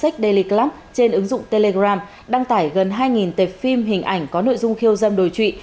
teleclub trên ứng dụng telegram đăng tải gần hai tệp phim hình ảnh có nội dung khiêu dâm đối trị